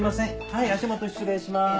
はい足元失礼します。